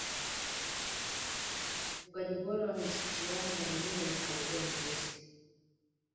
mfungaji bora wa michuano ya duniani ya alikuwa mrusi